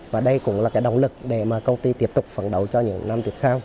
và đây cũng là cái động lực để mà công ty tiếp tục phấn đấu cho những năm tiếp sau